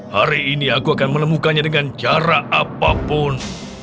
hari ini aku akan menemukannya dengan cara apapun